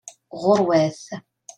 Ɣuṛwat!